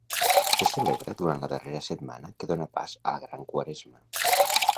Se celebra durant la darrera setmana que dóna pas a la Gran Quaresma.